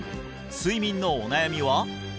睡眠のお悩みは？